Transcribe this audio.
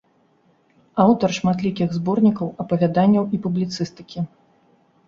Аўтар шматлікіх зборнікаў апавяданняў і публіцыстыкі.